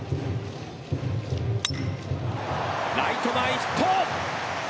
ライト前ヒット！